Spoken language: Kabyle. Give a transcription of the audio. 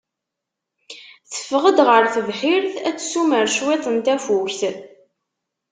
Teffeɣ-d ɣer tebḥirt ad tessumer cwiṭ n tafukt.